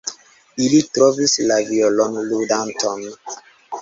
Ili trovis la violonludanton.